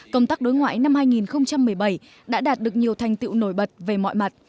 công tác đối ngoại năm hai nghìn một mươi bảy đã đạt được nhiều thành tiệu nổi bật về mọi mặt